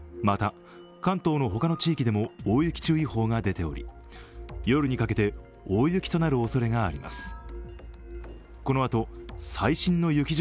また関東の他の地域でも大雪注意報が出ており夜にかけて大雪となるおそれがあります。